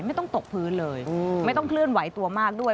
ไม่ต้องตกพื้นเลยไม่ต้องเคลื่อนไหวตัวมากด้วย